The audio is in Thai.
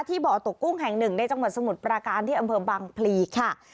บ่อตกกุ้งแห่งหนึ่งในจังหวัดสมุทรปราการที่อำเภอบังพลีค่ะ